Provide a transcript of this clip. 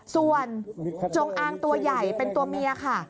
ส่วนจงอางตัวใหญ่เป็นตัวเมียค่ะ